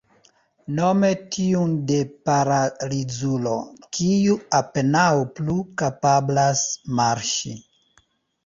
Nome tiun de paralizulo, kiu apenaŭ plu kapablas marŝi.